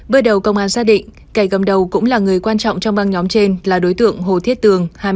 bước đầu công an xác định kẻ cầm đầu cũng là người quan trọng trong băng nhóm trên là đối tượng hồ thiết tường